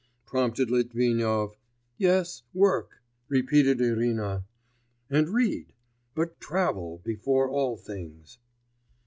prompted Litvinov.... 'Yes; work,' repeated Irina, 'and read ... but travel before all things.